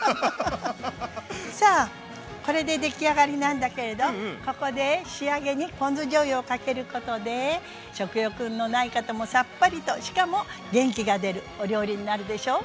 さあこれで出来上がりなんだけれどここで仕上げにポン酢しょうゆをかけることで食欲のない方もさっぱりとしかも元気が出るお料理になるでしょう？